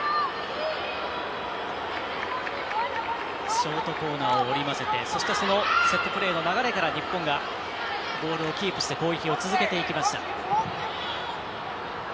ショートコーナーを織り交ぜてその流れから日本がボールをキープして攻撃を続けていきました。